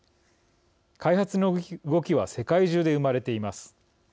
開発の動きは世界中で生まれています。